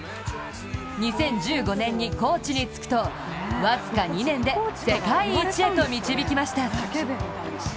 ２０１５年にコーチにつくと僅か２年で世界一に導きました。